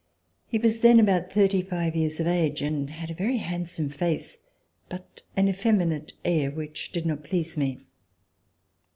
He was then about thirty five years of age and had a very handsome face but an effeminate air which did not please me.